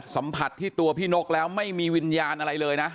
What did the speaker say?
สัมผัสที่ตัวพี่นกแล้วไม่มีวิญญาณอะไรเลยนะ